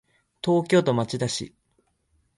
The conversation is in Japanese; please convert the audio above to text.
東京都町田市